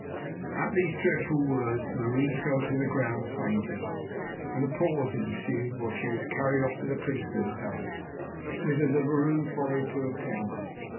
At these dreadful words Marie fell to the ground fainting and a pause ensued while she was carried off to the Prinsloos' house, whither the vrouw followed to attend her.